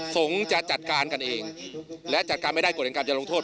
สงฆ์จะจัดการกันเองและจัดการไม่ได้กฎแห่งกรรมจะลงโทษ